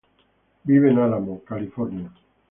Vive en Álamo, California.